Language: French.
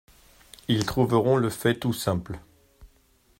Ils trouveront le fait tout simple.